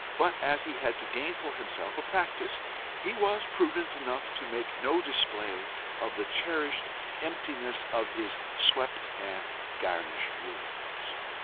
But as he had to gain for himself a practice, he was prudent enough to make no display of the cherished emptiness of his swept and garnished rooms.